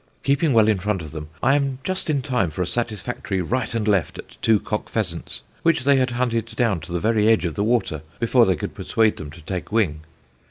Keeping well in front of them, I am just in time for a satisfactory right and left at two cock pheasants, which they had hunted down to the very edge of the water before they could persuade them to take wing.